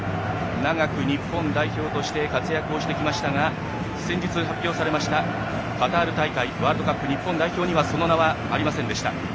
長く日本代表として活躍をしてきましたが先日発表されましたカタール大会ワールドカップ日本代表にはその名はありませんでした。